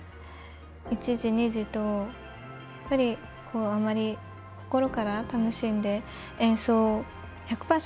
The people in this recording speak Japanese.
１次、２次と、やはりあまり心から楽しんで演奏１００％